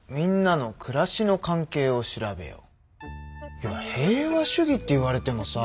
いや平和主義って言われてもさ。